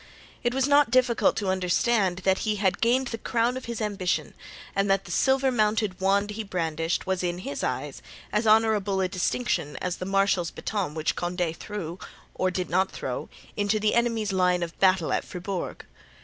It was not difficult to understand that he had gained the crown of his ambition and that the silver mounted wand he brandished was in his eyes as honorable a distinction as the marshal's baton which Condé threw, or did not throw, into the enemy's line of battle at Fribourg.